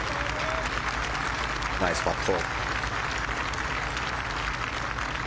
ナイスパット。